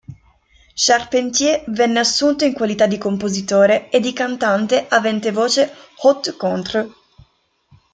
Charpentier venne assunto in qualità di compositore e di cantante avente voce "haute-contre".